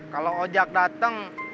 kalau ojak dateng